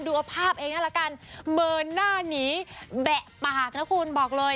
ดูเอาภาพเองนะละกันเมิ๊นหน้านี้แบะปากบอกเลย